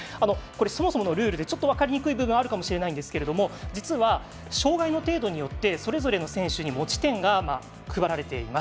そもそものルールで分かりにくい部分があるかもしれませんが障がいの程度によってそれぞれの選手に持ち点が配られています。